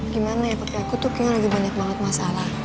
gimana ya pakai aku tuh kayaknya lagi banyak banget masalah